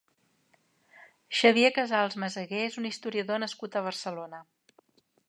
Xavier Casals Meseguer és un historiador nascut a Barcelona.